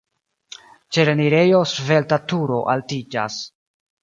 Ĉe la enirejo svelta turo altiĝas.